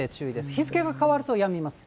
日付が変わるとやみます。